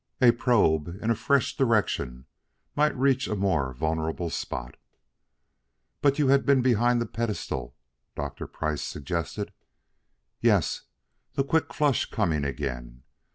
A probe in a fresh direction might reach a more vulnerable spot. "But you had been behind the pedestal?" Dr. Price suggested. "Yes" the quick flush coming again.